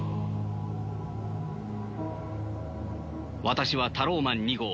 私はタローマン２号。